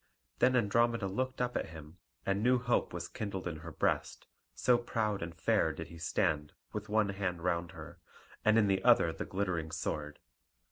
Then Andromeda looked up at him, and new hope was kindled in her breast, so proud and fair did he stand with one hand round her, and in the other the glittering sword.